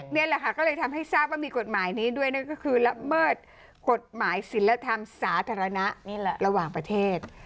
นี่แหละค่ะก็เลยทำให้ทราบว่ามีกฎหมายนี้ด้วยนั่นก็คือละเมิดกฎหมายศิลธรรมสาธารณะนี่แหละระหว่างประเทศ